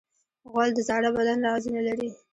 غول د زاړه بدن رازونه لري.